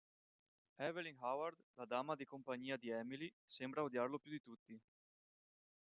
Evelyn Howard, la dama di compagnia di Emily, sembra odiarlo più di tutti.